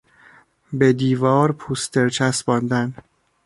به دیوار پوستر چسباندن